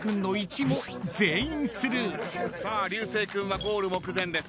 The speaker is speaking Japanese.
流星君はゴール目前です。